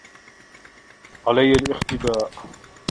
عليّ الاختباء.